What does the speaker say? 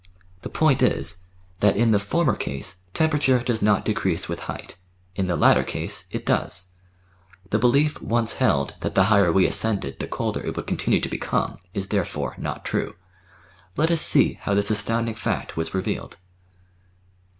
The point is, that in the former case temperature does not decrease with height; in the latter case it does. The belief once held that the higher we ascended the colder it would continue to become is therefore not true. Let us see how this astounding fact was revealed.